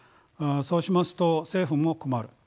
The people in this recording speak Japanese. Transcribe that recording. そうしますと政府も困る。